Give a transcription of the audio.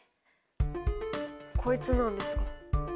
こいつなんですが。